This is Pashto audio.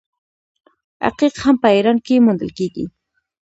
عقیق هم په ایران کې موندل کیږي.